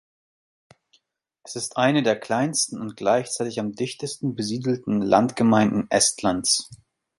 Es ist eine der kleinsten und gleichzeitig am dichtesten besiedelten Landgemeinden Estlands.